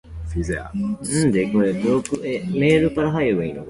The family settled in Los Angeles.